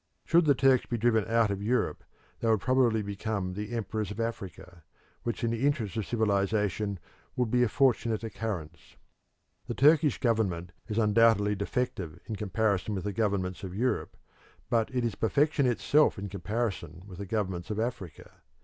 Should the Turks be driven out of Europe, they would probably become the emperors of Africa, which in the interests of civilisation would be a fortunate occurrence. The Turkish government is undoubtedly defective in comparison with the governments of Europe, but it is perfection itself in comparison with the governments of Africa.